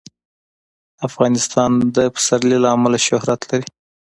افغانستان د پسرلی له امله شهرت لري.